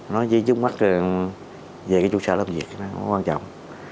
nói chung mắt về trụ sở làm việc nó quan trọng